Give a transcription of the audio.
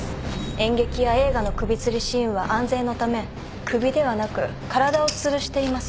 演劇や映画の首つりシーンは安全のため首ではなく体をつるしています。